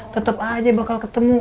tetep aja bakal ketemu